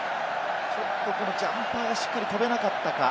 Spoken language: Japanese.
ジャンパーがしっかり跳べなかったか。